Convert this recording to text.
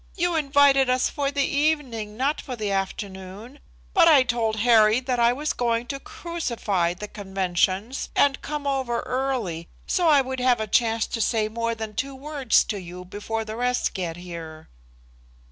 "You invited us for the evening, not for the afternoon, but I told Harry that I was going to crucify the conventions and come over early, so I would have a chance to say more than two words to you before the rest get here."